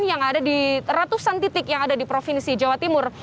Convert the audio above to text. yang ada di ratusan titik yang ada di provinsi jawa timur